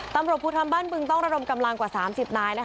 ตำรวจภูทรบ้านบึงต้องระดมกำลังกว่า๓๐นาย